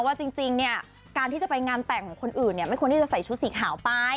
ว่าจริงเนี่ยการที่จะไปงานแต่งของคนอื่นเนี่ยไม่ควรที่จะใส่ชุดสีขาวไป